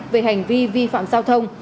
về hành vi vi phạm giao thông